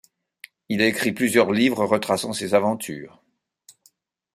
Il a écrit plusieurs livres retraçant ses aventures.